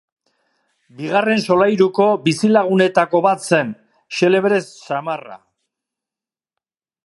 Bigarren solairuko bizilagunetako bat zen, xelebre samarra.